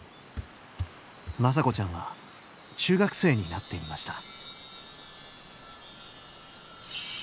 眞佐子ちゃんは中学生になっていました